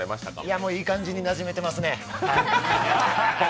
もういい感じになじめてますね。